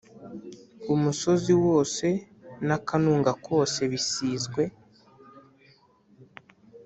umusozi wose n’akanunga kose bisizwe,